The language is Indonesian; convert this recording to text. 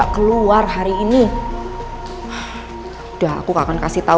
terima kasih ma